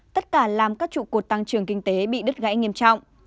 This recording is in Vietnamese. tất cả làm các trụ cột tăng trưởng kinh tế bị đứt gãy nghiêm trọng